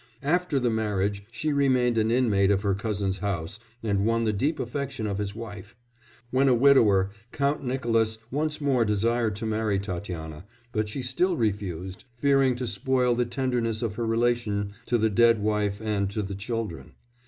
After the marriage she remained an inmate of her cousin's house and won the deep affection of his wife; when a widower Count Nicolas once more desired to marry Tatiana, but she still refused, fearing to spoil the tenderness of her relation to the dead wife and to the children.